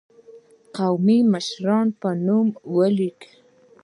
قومي مشرانو په نوم ولیک.